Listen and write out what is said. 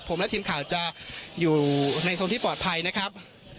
ผมและทีมข่าวจะอยู่ในโซนที่ปลอดภัยนะครับ